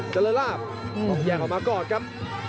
เจริญลาบต้องแยกออกมาก่อนครับ